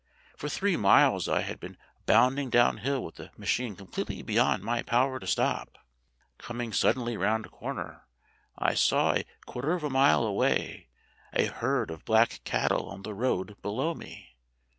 For three miles I had been bounding downhill with the machine completely beyond my power to stop. Coming suddenly round a corner, I saw, a quarter of a mile away, a herd of black cattle on the road below me.